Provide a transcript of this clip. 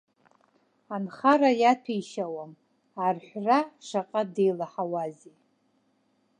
Анхара иаҭәеишьауам, арҳәра шаҟа деилаҳауазеи.